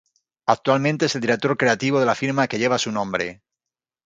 Actualmente es el director creativo de la firma que lleva su nombre.